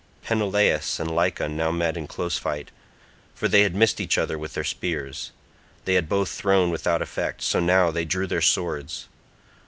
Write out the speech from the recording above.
Peneleos and Lycon now met in close fight, for they had missed each other with their spears. They had both thrown without effect, so now they drew their swords.